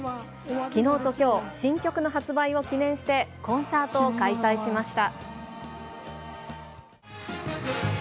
きのうときょう、新曲の発売を記念して、コンサートを開催しました。